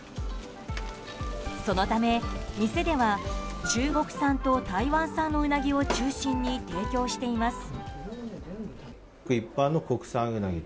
そのため店では中国産と台湾産のウナギを中心に提供しています。